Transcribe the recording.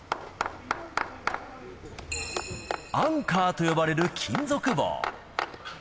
アンカーと呼ばれる金属棒。